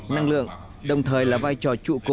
năng lượng đồng thời là vai trò chủ yếu